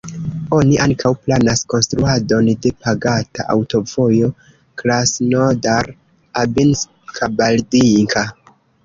Oni ankaŭ planas konstruadon de pagata aŭtovojo Krasnodar-Abinsk-Kabardinka.